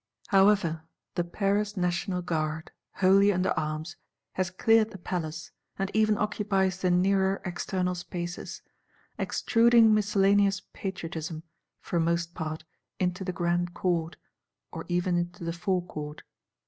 However, the Paris National Guard, wholly under arms, has cleared the Palace, and even occupies the nearer external spaces; extruding miscellaneous Patriotism, for most part, into the Grand Court, or even into the Forecourt.